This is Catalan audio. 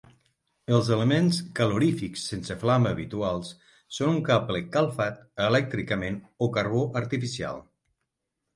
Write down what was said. Els elements calorífics sense flama habituals són un cable calfat elèctricament o carbó artificial.